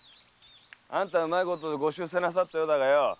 〔あんたはうまいことご出世なさったようだがよ〕